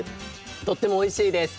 とってもおいしいです。